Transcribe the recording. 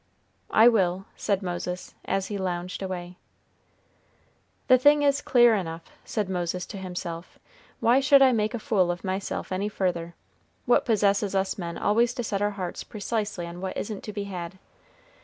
"I will," said Moses, as he lounged away. "The thing is clear enough," said Moses to himself. "Why should I make a fool of myself any further? What possesses us men always to set our hearts precisely on what isn't to be had?